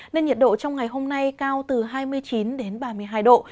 nên nhiệt độ trong ngày hôm nay cao từ hai mươi chín đến ba mươi hai độ